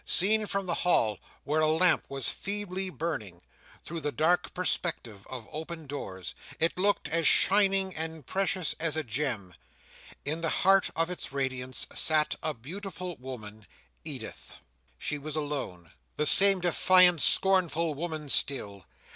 Seen from the hall, where a lamp was feebly burning, through the dark perspective of open doors, it looked as shining and precious as a gem. In the heart of its radiance sat a beautiful woman—Edith. She was alone. The same defiant, scornful woman still.